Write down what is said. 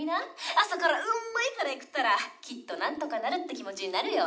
「朝からうまいカレー食ったらきっとなんとかなるって気持ちになるよ」